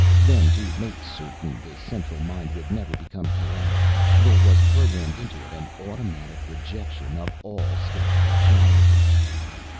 Then, to make certain this central mind would never become chaotic, there was programmed into it an automatic rejection of all sceptical challenges.